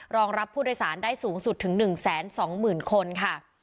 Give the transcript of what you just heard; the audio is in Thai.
รองรับผู้โดยสารได้สูงสุดถึง๑๒๐๐๐คนค่ะ